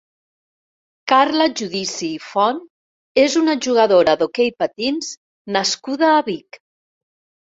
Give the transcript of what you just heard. Carla Giudici i Font és una jugadora d'hoquei patins nascuda a Vic.